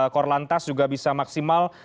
kor lantas juga bisa maksimal